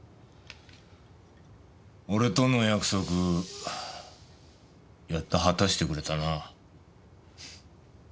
俺との約束やっと果たしてくれたな。